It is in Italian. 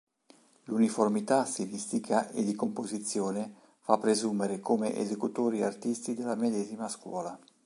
L’uniformità stilistica e di composizione fa presumere come esecutori artisti della medesima scuola.